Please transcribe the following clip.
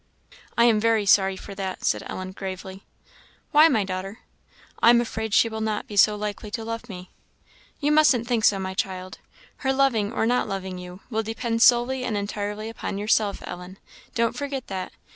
"I am very sorry for that," said Ellen, gravely. "Why, my daughter?" "I am afraid she will not be so likely to love me." "You mustn't think so, my child. Her loving or not loving you will depend solely and entirely upon yourself, Ellen. Don't forget that.